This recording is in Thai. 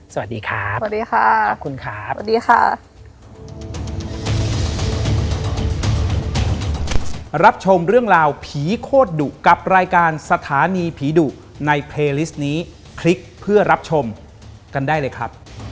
สวัสดีครับขอบคุณครับสวัสดีค่ะสวัสดีค่ะสวัสดีค่ะ